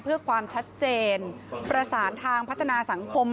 เพื่อความชัดเจนประสานทางพัฒนาสังคม